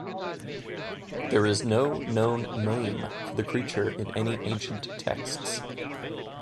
There is no known name for the creature in any ancient texts.